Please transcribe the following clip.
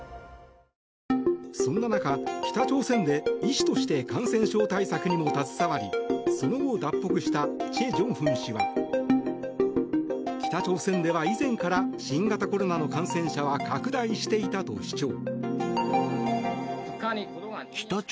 そんな中、北朝鮮で医師として感染症対策にも携わりその後、脱北したチェ・ジョンフン氏は北朝鮮では以前から新型コロナの感染者は拡大していたと主張。